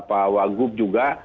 pak wagub juga